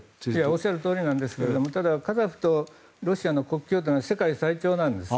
おっしゃるとおりなんですがカザフとロシアの国境で世界最長なんですよ。